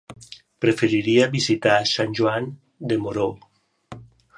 Preferiria visitar Sant Joan de Moró.